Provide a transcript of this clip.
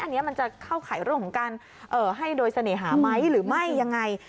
อันนี้มันจะเข้าข่ายเรื่องของการให้โดยเสน่หาไหมหรือไม่ยังไง